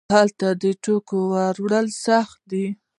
هلته د توکو وړل سخت دي.